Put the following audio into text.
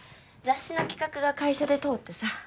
雑誌の企画が会社で通ってさ。